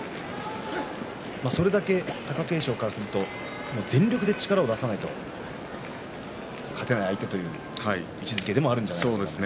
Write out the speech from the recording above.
それだけ貴景勝からすると全力で力を出さないと勝てない相手という位置づけでもあるんじゃないでしょうか。